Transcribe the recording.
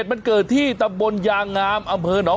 เบิร์ตลมเสียโอ้โห